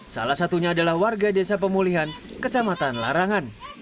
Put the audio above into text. salah satunya adalah warga desa pemulihan kecamatan larangan